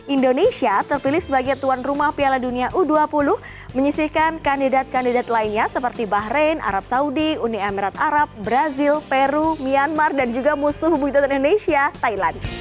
indonesia terpilih sebagai tuan rumah piala dunia u dua puluh menyisihkan kandidat kandidat lainnya seperti bahrain arab saudi uni emirat arab brazil peru myanmar dan juga musuh budidat indonesia thailand